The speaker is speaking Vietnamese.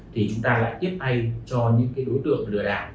thì chúng ta lại tiếp tay cho những cái đối tượng lừa đảo